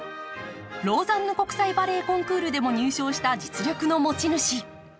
ローザンヌ国際バレエコンクールでも入賞した実力の持ち主。